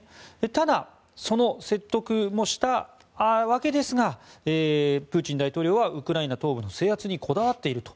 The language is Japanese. ただ、その説得もしたわけですがプーチン大統領はウクライナ東部の制圧にこだわっていると。